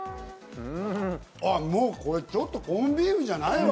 うん、これもう、ちょっとコンビーフじゃないわ。